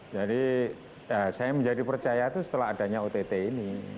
jadi saya menjadi percaya itu setelah adanya ott ini